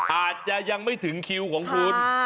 อาจจะยังไม่ถึงคิวของคุณ